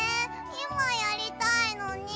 いまやりたいのに。